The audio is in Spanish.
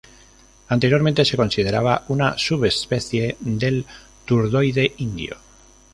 Anteriormente se consideraba una subespecie del turdoide indio.